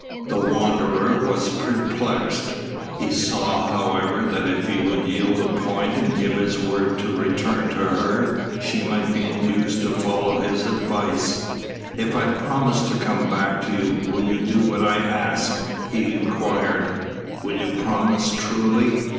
The Wanderer was perplexed. He saw, however, that if he would yield the point and give his word to return to her, she might be induced to follow his advice. "If I promise to come back to you, will you do what I ask?" he inquired. "Will you promise truly?"